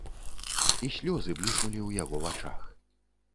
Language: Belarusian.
І слёзы бліснулі ў яго вачах.